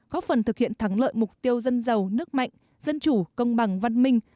góp phần thực hiện thắng lợi mục tiêu dân giàu nước mạnh dân chủ công bằng văn minh